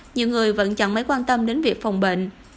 nhiều người vẫn chẳng mấy quan tâm đến việc phòng bệnh